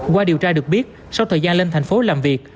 qua điều tra được biết sau thời gian lên thành phố làm việc